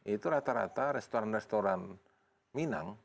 itu rata rata restoran restoran minang